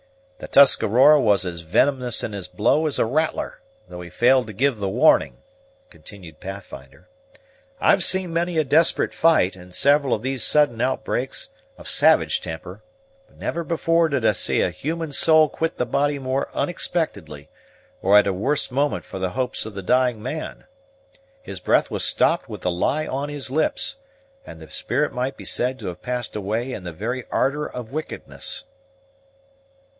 "The Tuscarora was as venemous in his blow as a rattler, though he failed to give the warning," continued Pathfinder. "I've seen many a desperate fight, and several of these sudden outbreaks of savage temper; but never before did I see a human soul quit the body more unexpectedly, or at a worse moment for the hopes of the dying man. His breath was stopped with the lie on his lips, and the spirit might be said to have passed away in the very ardor of wickedness."